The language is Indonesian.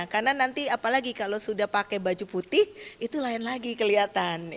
karena nanti apalagi kalau sudah pakai baju putih itu lain lagi kelihatan